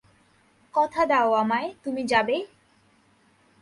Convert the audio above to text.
কথা দাও আমায়, তুমি যাবে।